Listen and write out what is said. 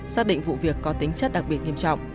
xác định vụ việc có tính chất đặc biệt nghiêm trọng